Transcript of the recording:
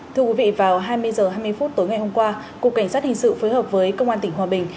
thưa quý vị vào hai mươi h hai mươi phút tối ngày hôm qua cục cảnh sát hình sự phối hợp với công an tỉnh hòa bình